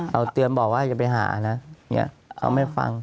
เราเตือนบอกว่าจะไปหานะเขาไม่ฟัง